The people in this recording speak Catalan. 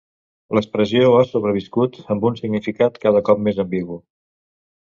L'expressió ha sobreviscut, amb un significat cada cop més ambigu.